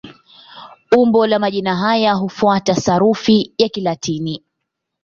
Umbo la majina haya hufuata sarufi ya Kilatini.